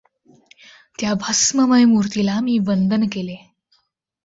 त्या भस्ममय मूर्तीला मी वंदन केले.